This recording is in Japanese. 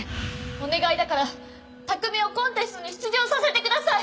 お願いだから拓海をコンテストに出場させてください！